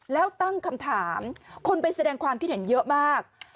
แล้วตั้งคำถามคนไปแสดงความคิดเห็นเยอะมาก